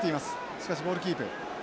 しかしボールキープ。